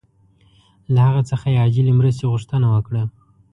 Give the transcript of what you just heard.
له هغه څخه یې عاجلې مرستې غوښتنه وکړه.